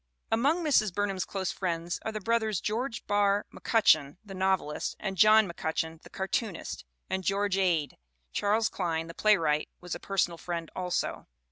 Among Mrs. Burnham's close friends are the brothers George Barr McCutcheon, the novelist, and John McCutcheon, the cartoonist; and George Ade. Charles Klein, the playwright, was a personal friend also.